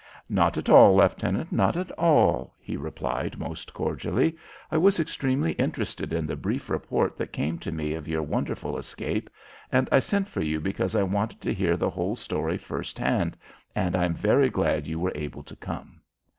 "Not at all, Leftenant, not at all!" he replied, most cordially. "I was extremely interested in the brief report that came to me of your wonderful escape, and I sent for you because I wanted to hear the whole story first hand, and I am very glad you were able to come."